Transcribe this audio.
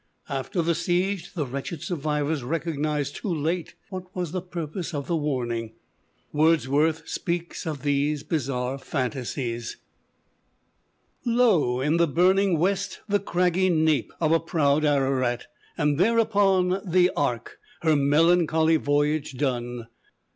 After the siege the wretched survivors recognized too late what was the purpose of the warning. Wordsworth speaks of these bizarre fantasies: "Lo! in the burning west the craggy nape Of a proud Ararat! and thereupon, The Ark, her melancholy voyage done.